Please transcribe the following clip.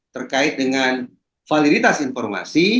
terkait dengan validitas informasi